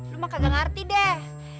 lo mah kagak ngerti deh